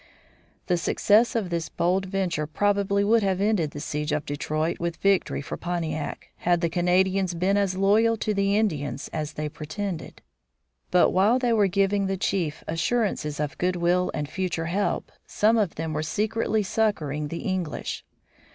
The success of this bold venture probably would have ended the siege of Detroit with victory for Pontiac, had the Canadians been as loyal to the Indians as they pretended. But while they were giving the chief assurances of good will and future help, some of them were secretly succoring the English.